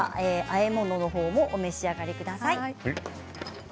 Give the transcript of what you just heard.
あえ物もお召し上がりください。